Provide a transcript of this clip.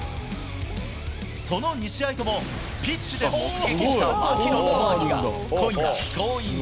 その２試合ともピッチで目撃した槙野智章が、今夜、Ｇｏｉｎｇ！